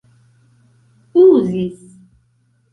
uzis